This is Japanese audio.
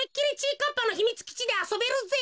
かっぱのひみつきちであそべるぜ。